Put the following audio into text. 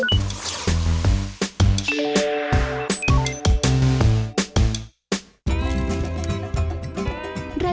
นะครับ